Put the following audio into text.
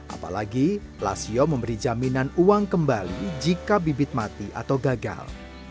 apalagi lasio memberi jaminan uang kembali jika bibit mati atau gagal